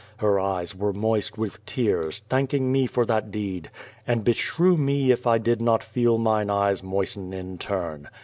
Her eyes were moist with tears, thanking me for that deed. And beshrew me if I did not feel mine eyes moisten in turn.